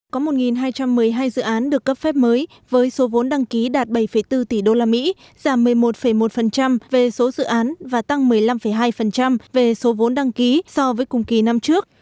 có một hai trăm một mươi hai dự án được cấp phép mới với số vốn đăng ký đạt bảy bốn tỷ usd giảm một mươi một một về số dự án và tăng một mươi năm hai về số vốn đăng ký so với cùng kỳ năm trước